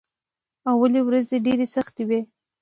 اولې ورځې ډېرې سختې وې.